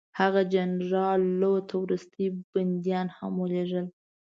هغه جنرال لو ته وروستي بندیان هم ولېږل.